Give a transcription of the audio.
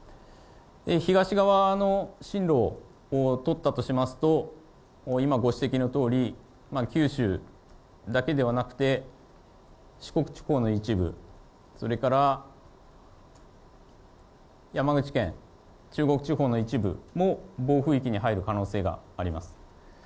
東側の進路を取ったとしますと、今、ご指摘のとおり、九州だけではなくて、四国地方の一部、それから山口県、中国地方の一部も暴風域に入る可能性があります。